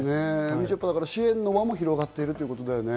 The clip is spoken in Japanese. みちょぱ、支援の輪も広がっているということだね。